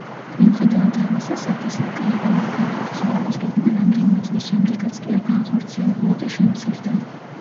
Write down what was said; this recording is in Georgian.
მიუხედავად ამისა, სათესლე კამპანიის განხორციელების გეგმა რამდენიმე წლის შემდეგაც კი არ განხორციელებულა და შემცირდა.